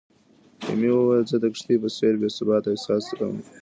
ایمي ویلي، "زه د کښتۍ په څېر بې ثباته احساس کوم."